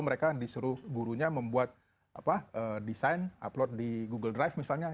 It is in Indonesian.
mereka disuruh gurunya membuat desain upload di google drive misalnya